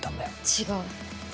違う。